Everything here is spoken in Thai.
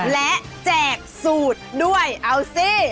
และแจกสูตรด้วยเอาสิ